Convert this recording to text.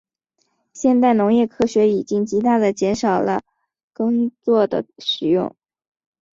现代农业科学已经极大地减少了耕作的使用。